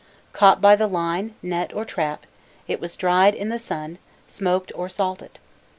Caught by the line, net, or trap, it was dried, in the sun, smoked, or salted.